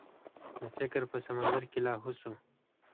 د فکر په سمندر کې لاهو شو.